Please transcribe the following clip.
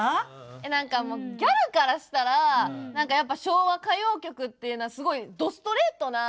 何かもうギャルからしたら何かやっぱ昭和歌謡曲っていうのはすごいどストレートな歌詞なんで。